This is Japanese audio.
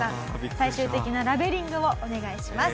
最終的なラベリングをお願いします。